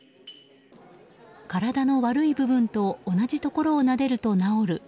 体の悪い部分と同じところをなでると治る。